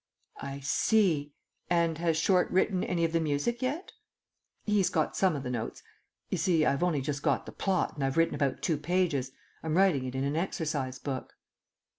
"I see. And has Short written any of the music yet?" "He's got some of the notes. You see, I've only just got the plot, and I've written about two pages. I'm writing it in an exercise book."